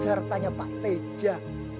hartanya pak teja